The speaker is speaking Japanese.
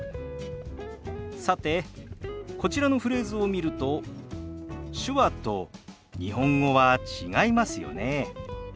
さてこちらのフレーズを見ると手話と日本語は違いますよね。